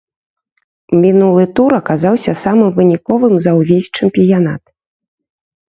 Мінулы тур аказаўся самым выніковым за ўвесь чэмпіянат.